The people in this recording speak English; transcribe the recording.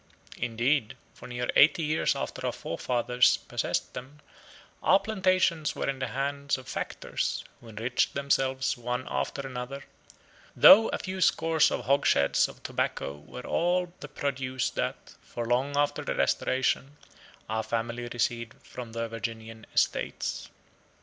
Indeed, for near eighty years after our forefathers possessed them, our plantations were in the hands of factors, who enriched themselves one after another, though a few scores of hogsheads of tobacco were all the produce that, for long after the Restoration, our family received from their Virginian estates.